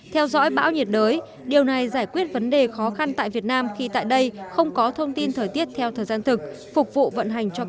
theo dõi bão nhiệt đới điều này giải quyết vấn đề khó khăn tại việt nam khi tại đây không có thông tin thời tiết theo thời gian thực phục vụ vận hành cho các nhà máy thủy điện